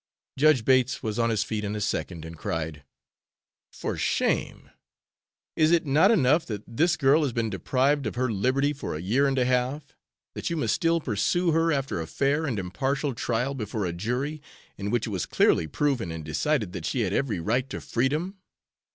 Judge Bates was on his feet in a second and cried: "For shame! is it not enough that this girl has been deprived of her liberty for a year and a half, that you must still pursue her after a fair and impartial trial before a jury, in which it was clearly proven and decided that she had every right to freedom?